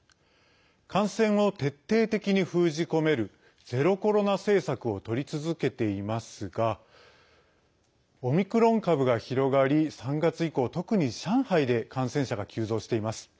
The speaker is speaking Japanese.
感染を徹底的に封じ込めるゼロコロナ政策をとり続けていますがオミクロン株が広がり３月以降、特に上海で感染者が急増しています。